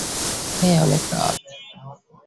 হাঁ, অনেক রাত।